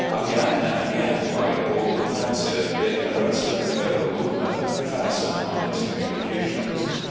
Again and again, by a bold offensive, it arrested the Federal movement to fasten on its communications.